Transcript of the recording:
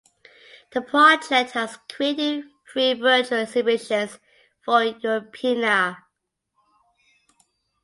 The project has created three virtual exhibitions for Europeana.